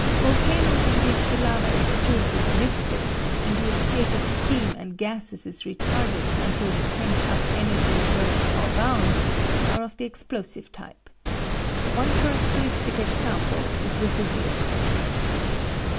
Volcanoes in which the lava extruded is viscous, and the escape of steam and gases is retarded until the pent up energy bursts all bounds, are of the explosive, type. One characteristic example is Vesuvius.